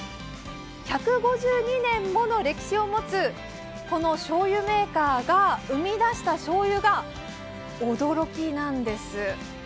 １５２年もの歴史を持つしょうゆメーカーが生み出したしょうゆが、驚きなんです。